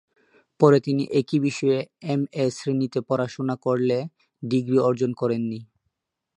পরে তিনি একই বিষয়ে এমএ শ্রেণিতে পড়াশুনা করলেও ডিগ্রি অর্জন করেন নি।